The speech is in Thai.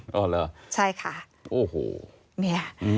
อ๋อเหรอโอ้โหใช่ค่ะนี่